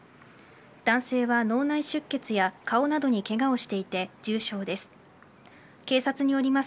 男性は脳内出血や顔などにけがをしていて重傷です。